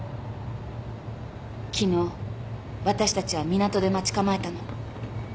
昨日私たちは港で待ち構えたの。